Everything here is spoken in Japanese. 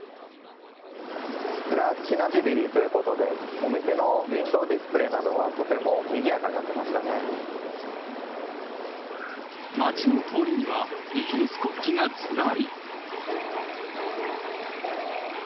プラチナ・ジュビリーということで、お店のウインドーディスプレーなどは、街の通りには、イギリス国旗がずらり。